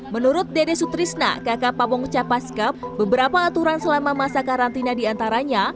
menurut dede sutrisna kakak pabong capaskap beberapa aturan selama masa karantina diantaranya